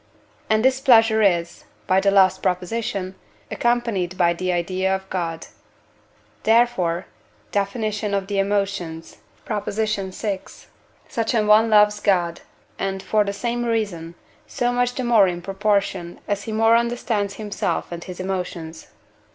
and this pleasure is (by the last Prop.) accompanied by the idea of God; therefore (Def. of the Emotions, vi.) such an one loves God, and (for the same reason) so much the more in proportion as he more understands himself and his emotions.